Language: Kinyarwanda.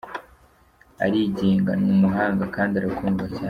Arigenga, ni umuhanga kandi arakundwa cyane.